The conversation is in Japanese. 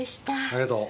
ありがとう。